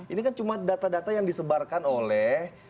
ini kan cuma data data yang disebarkan oleh